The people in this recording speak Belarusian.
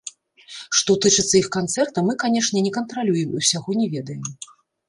Што тычыцца іх канцэрта, мы, канешне, не кантралюем і ўсяго не ведаем.